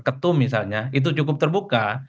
ketum misalnya itu cukup terbuka